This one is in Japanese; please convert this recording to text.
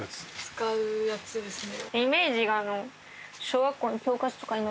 使うやつですね。